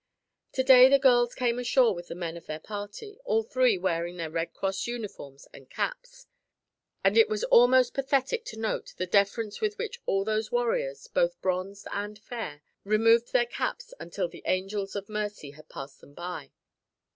To day the girls came ashore with the men of their party, all three wearing their Red Cross uniforms and caps, and it was almost pathetic to note the deference with which all those warriors both bronzed and fair removed their caps until the "angels of mercy" had passed them by.